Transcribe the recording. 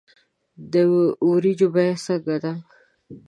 د ورجو بیه څنګه ده